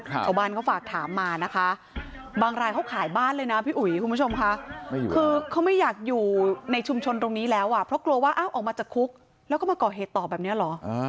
ชาวบ้านเขาฝากถามมานะคะบางรายเขาขายบ้านเลยนะพี่อุ๋ยคุณผู้ชมค่ะคือเขาไม่อยากอยู่ในชุมชนตรงนี้แล้วอ่ะเพราะกลัวว่าอ้าวออกมาจากคุกแล้วก็มาก่อเหตุต่อแบบนี้เหรอ